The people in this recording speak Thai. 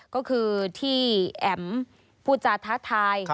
ก็คือที่แอ๋มพูดจาท้าทาย